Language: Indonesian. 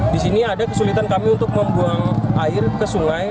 di sini ada kesulitan kami untuk membuang air ke sungai